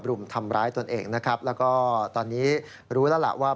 รุมทำร้ายตนเองนะครับแล้วก็ตอนนี้รู้แล้วล่ะว่า